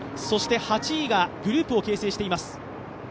そして８位がグループを形成しています。